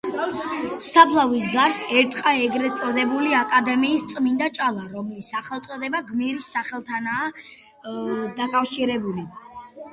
საფლავის გარს ერტყა ეგრეთ წოდებული აკადემიის წმინდა ჭალა, რომლის სახელწოდება გმირის სახელთანაა დაკავშირებული.